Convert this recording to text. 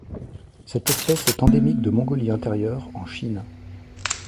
Cette espèce est endémique de Mongolie-Intérieure en Chine.